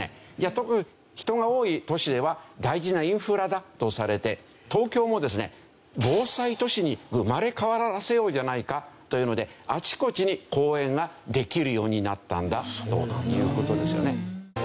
特に人が多い都市では大事なインフラだとされて東京もですね防災都市に生まれ変わらせようじゃないかというのであちこちに公園ができるようになったんだという事ですよね。